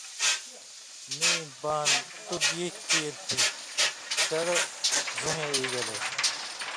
مِیں بان تُو گی کیریۡ تھی شڑ ڙُوہے ایگلے“۔